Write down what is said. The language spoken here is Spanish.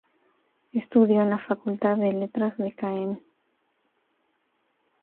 Estudió en la Facultad de Letras de Caen.